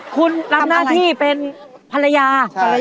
คุณรับหน้าที่เป็นภรรยา